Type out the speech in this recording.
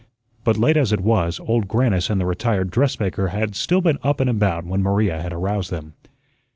But, late as it was, Old Grannis and the retired dressmaker had still been up and about when Maria had aroused them.